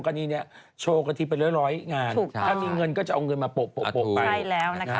คุณญาติปิดรัชปาล